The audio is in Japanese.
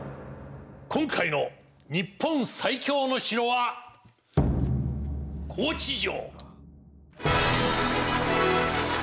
今回の日本最強の城は高知城！